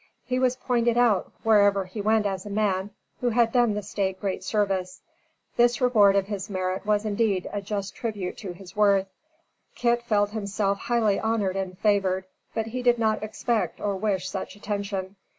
He was pointed out wherever he went as a man who had done the State great service. This reward of his merit was indeed a just tribute to his worth. Kit felt himself highly honored and favored, but he did not expect or wish such attention.